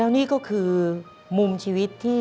แล้วจริงเผื่อให้น้องชายสามารถเปลี่ยน